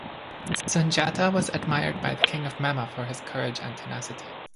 Sundiata was admired by the King of Mema for his courage and tenacity.